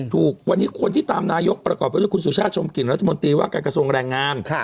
ถูกวันนี้คนที่ตามนายกประกอบไปด้วยคุณสุชาติชมกลิ่นรัฐมนตรีว่าการกระทรวงแรงงาน